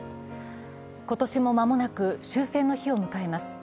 今年も間もなく終戦の日を迎えます。